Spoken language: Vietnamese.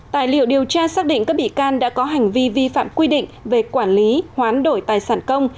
tài liệu điều tra xác định các bị can đã có hành vi vi phạm quy định về quản lý hoán đổi tài sản công